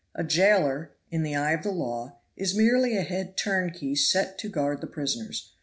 A jailer, in the eye of the law, is merely a head turnkey set to guard the prisoners.